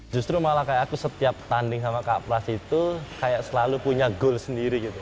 justru malah kayak aku setiap tanding sama kak pras itu kayak selalu punya goal sendiri gitu